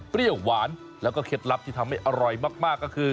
หวานแล้วก็เคล็ดลับที่ทำให้อร่อยมากก็คือ